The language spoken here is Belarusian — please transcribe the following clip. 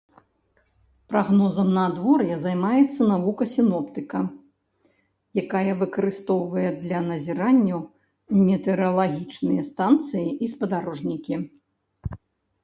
Прагнозам надвор'я займаецца навука сіноптыка, якая выкарыстоўвае для назіранняў метэаралагічныя станцыі і спадарожнікі.